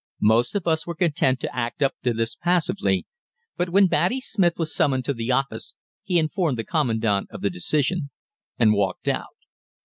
Most of us were content to act up to this passively, but when Batty Smith was summoned to the office he informed the Commandant of the decision and walked out.